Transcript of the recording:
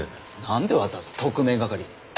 なんでわざわざ特命係に。